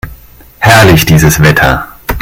Herrlich, dieses Wetter!